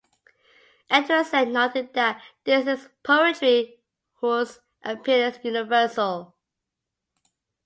Edward Said noted that "this is poetry whose appeal is universal".